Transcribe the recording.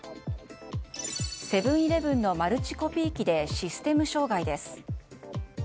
セブン‐イレブンのマルチコピー機でシステム障害です。